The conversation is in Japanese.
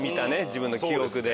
自分の記憶で。